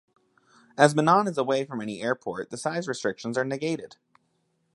As Menan is away from any airport, the size restrictions are negated.